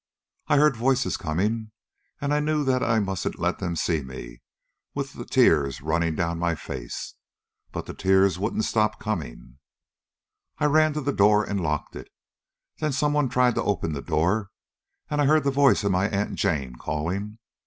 I heard voices coming, and I knew that I mustn't let them see me with the tears running down my face. But the tears wouldn't stop coming. "I ran to the door and locked it. Then someone tried to open the door, and I heard the voice of my Aunt Jane calling.